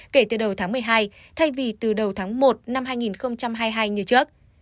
kể từ đầu tháng một mươi hai thay vì từ đầu tháng một năm hai nghìn hai mươi hai như trước